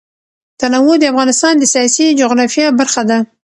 تنوع د افغانستان د سیاسي جغرافیه برخه ده.